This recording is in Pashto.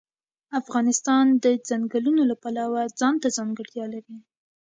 افغانستان د ځنګلونو د پلوه ځانته ځانګړتیا لري.